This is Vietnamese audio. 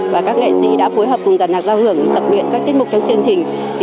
và các nghệ sĩ đã phối hợp cùng giàn nhạc giao hưởng tập luyện các tiết mục trong chương trình